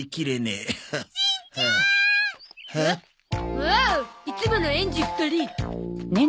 おおいつもの園児２人。